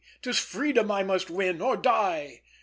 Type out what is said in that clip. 'Tis freedom I must win, or die.